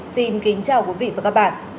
xin kính chào quý vị và các bạn